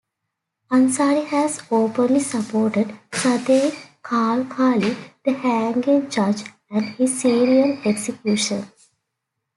Ansari has openly supported Sadegh Khalkhali, the hanging judge and his serial executions.